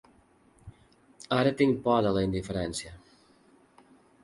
Ara tinc por de la indiferència.